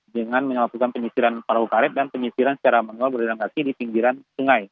dengan menyelapukan penyisiran paruh karet dan penyisiran secara manual berlengkasi di pinggiran sungai